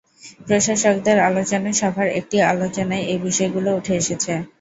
প্রশাসকদের আলোচনাসভার একটি আলোচনায় এই বিষয়গুলো উঠে এসেছে।